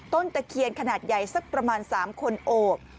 ตะเคียนขนาดใหญ่สักประมาณ๓คนโอบ